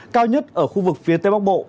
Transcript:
cao nhất ở khu vực phía tây bắc bộ